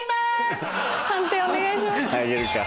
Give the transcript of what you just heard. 判定お願いします。